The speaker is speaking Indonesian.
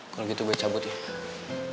kalau gitu buat cabut ya